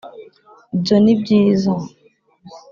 ibyo ni byiza.